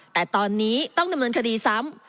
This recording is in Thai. แต่ตอนนี้ต้องดำเนินคดีซ้ำ